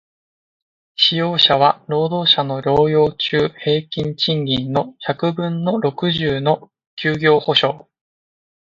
使用者は、労働者の療養中平均賃金の百分の六十の休業補償